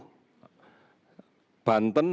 banten hari ini ini adalah kasus yang paling menarik